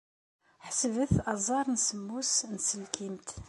Ḥesbet aẓar n semmus s tselkimt.